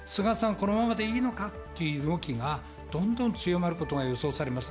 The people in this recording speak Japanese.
このままでいいのかという動きが、どんどん強まることが予想されます。